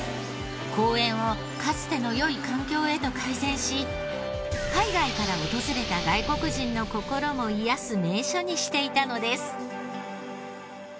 公園をかつての良い環境へと改善し海外から訪れた外国人の心も癒やす名所にしていたのです。